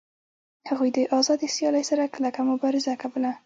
هغوی د آزادې سیالۍ سره کلکه مبارزه کوله